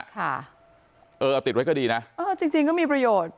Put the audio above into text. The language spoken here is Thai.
ค่ะเออเอาติดไว้ก็ดีนะเออจริงจริงก็มีประโยชน์